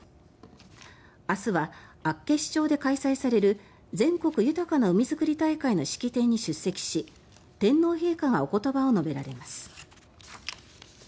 明日は厚岸町で開催される全国豊かな海づくり大会の式典に出席し天皇陛下がお言葉を述べられます。